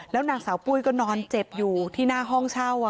แล้วนางสาวปุ้ยก็นอนเจ็บอยู่ที่หน้าห้องเช่า